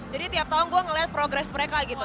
jadi tiap tahun gue ngeliat progres mereka gitu